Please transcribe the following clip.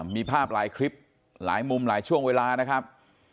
มีภาพหลายคลิปหลายมุมหลายช่วงเวลานะครับ